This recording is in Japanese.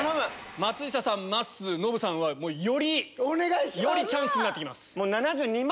松下さんまっすーノブさんはよりチャンスになって来ます。